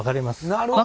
なるほど。